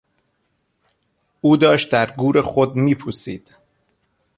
او داشت در گور خود میپوسید.